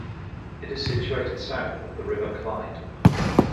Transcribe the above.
It is situated south of the River Clyde.